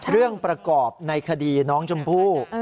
เรื่องประกอบในคดีน้องจมพู่